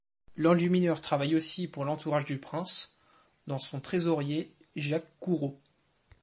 L'enlumineur travaille aussi pour l'entourage du prince, dont son trésorier Jacques Courau.